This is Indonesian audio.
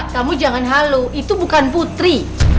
kamu jangan halo itu bukan putri